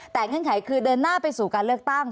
แต่เงื่อนไขคือเดินหน้าไปสู่การเลือกตั้ง